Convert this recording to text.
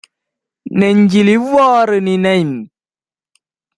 நெஞ்சிலிவ் வாறு - நினைந்